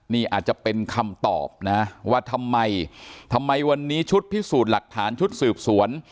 นี่อาจจะเป็นคำตอบนะว่าทำไมทำไมวันนี้ชุดพิสูจน์หลักฐานชุดสืบสวน